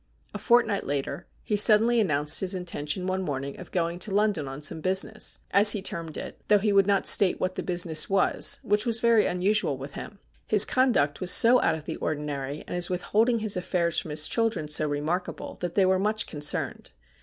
A fortnight later, he suddenly announced his intention one morning of going to London on some business, as he termed it, though he would not state what the business was, which was very unusual with him. His conduct was so out of the ordinary, and his withholding his affairs from his children so remarkable, that they were much concerned.